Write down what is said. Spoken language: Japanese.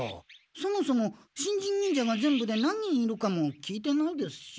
そもそも新人忍者が全部で何人いるかも聞いてないですし。